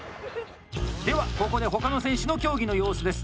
では、ここで他の選手の競技の様子です。